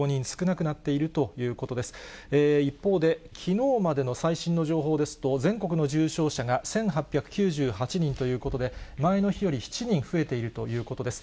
一方で、きのうまでの最新の情報ですと、全国の重症者が１８９８人ということで、前の日より７人増えているということです。